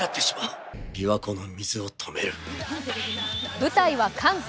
舞台は関西。